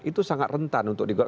itu sangat rentan untuk dibuat